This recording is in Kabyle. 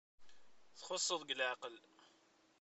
Txuṣṣeḍ deg leɛqel!